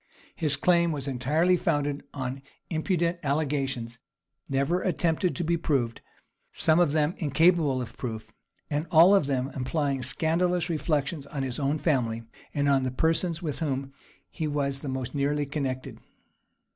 His claim was entirely founded on impudent allegations, never attempted to be proved; some of them incapable of proof, and all of their implying scandalous reflections on his own family, and on the persons with whom he was the most nearly connected.